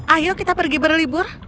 ayo kita pergi berlibur